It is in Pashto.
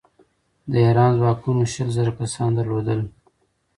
د ایران ځواکونو شل زره کسان درلودل.